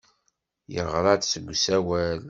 Yeɣra-d deg usawal.